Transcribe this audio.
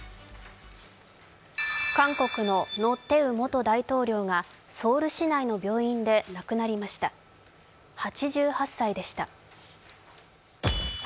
韓国のノ・テウ元大統領がソウル市内の病院で亡くなりました、８８歳でした。